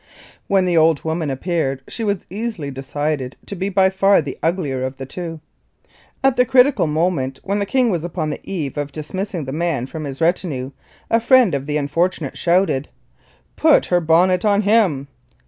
When the old woman appeared she was easily decided to be by far the uglier of the two. At the critical moment when the king was upon the eve of dismissing the man from his retinue, a friend of the unfortunate shouted, "Put her bonnet on him!"